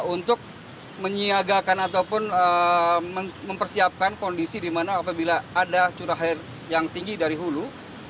untuk menyiagakan ataupun mempersiapkan kondisi di mana apabila ada curah air yang tinggi dari hulu